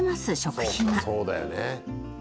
そうだよね。